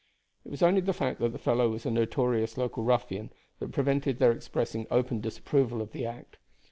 It was only the fact that the fellow was a notorious local ruffian that prevented their expressing open disapproval of the act.